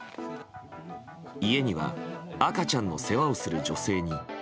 家には赤ちゃんの世話をする女性に。